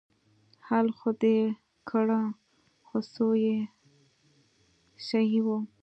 حل خو دې کړه خو څو يې صيي وه.